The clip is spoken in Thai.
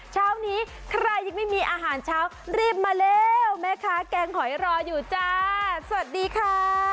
เช้านี้ใครยังไม่มีอาหารเช้ารีบมาแล้วแม่ค้าแกงหอยรออยู่จ้าสวัสดีค่ะ